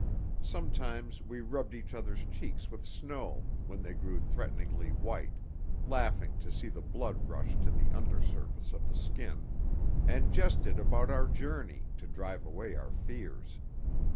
Sometimes we rubbed each other's cheeks with snow when they grew threateningly white, laughing to see the blood rush to the under surface of the skin, and jested about our journey to drive away our fears.